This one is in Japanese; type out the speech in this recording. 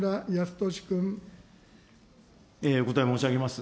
お答え申し上げます。